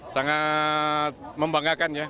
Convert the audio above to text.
sangat membanggakan ya